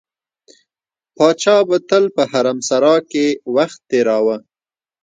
پاچا به تل په حرمسرا کې وخت تېراوه.